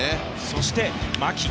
そして牧。